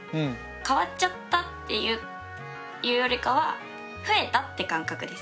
変わっちゃったっていうよりかは増えたって感覚です。